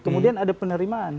kemudian ada penerimaan